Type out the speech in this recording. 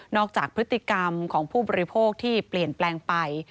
จากพฤติกรรมของผู้บริโภคที่เปลี่ยนแปลงไป